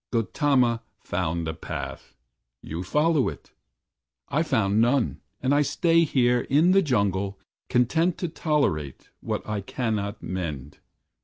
Gautama found a path. You follow it. I found none, and I stay here, in the jungle, Content to tolerate what I cannot mend.